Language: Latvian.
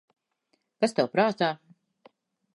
Kas tev prātā?